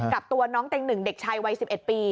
กับตัวน้องเต็งหนึ่งเด็กชายวัย๑๑ปี